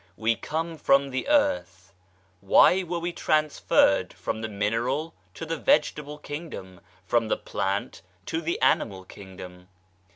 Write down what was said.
We come from the earth ; why were we transferred from the mineral to the vegetable kingdom from the plant to the animal kingdom